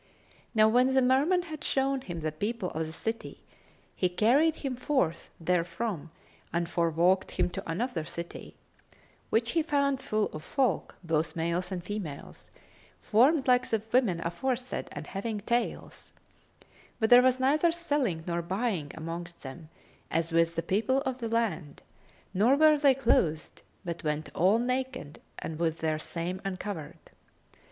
Now when the Merman had shown him the people of the city, he carried him forth therefrom and forewalked him to another city, which he found full of folk, both males and females, formed like the women aforesaid and having tails; but there was neither selling nor buying amongst them, as with the people of the land, nor were they clothed, but went all naked and with their same uncovered.